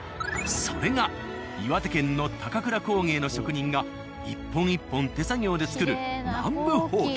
それが岩手県の「高倉工芸」の職人が一本一本手作業で作る南部箒。